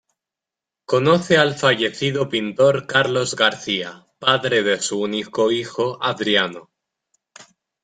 Conoce al fallecido pintor Carlos García, padre de su único hijo Adriano.